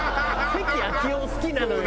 関さん好きなのよ